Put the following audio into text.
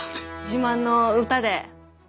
自慢の歌で。